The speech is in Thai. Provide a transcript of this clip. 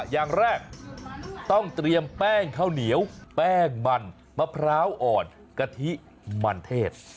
อย่างแรกต้องเตรียมแป้งข้าวเหนียวแป้งมันมะพร้าวอ่อนกะทิมันเทศ